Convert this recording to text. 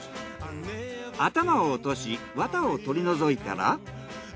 頭を落としワタを取り除いたら。